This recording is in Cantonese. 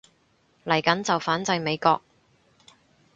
嚟緊就反制美國